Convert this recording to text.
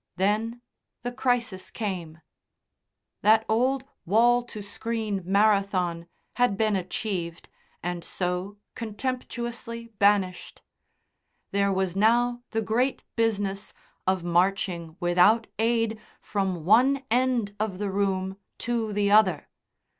Then the crisis came. That old wall to screen marathon had been achieved, and so contemptuously banished. There was now the great business of marching without aid from one end of the room to the other.